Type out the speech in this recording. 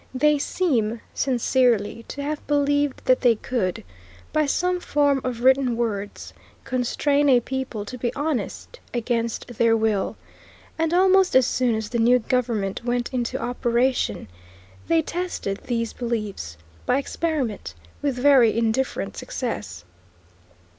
They seem sincerely to have believed that they could, by some form of written words, constrain a people to be honest against their will, and almost as soon as the new government went into operation they tested these beliefs by experiment, with very indifferent success.